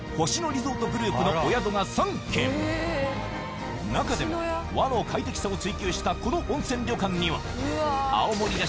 リゾートグループのお宿が３軒中でも和の快適さを追求したこの温泉旅館には確かにね。